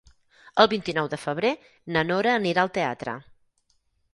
El vint-i-nou de febrer na Nora anirà al teatre.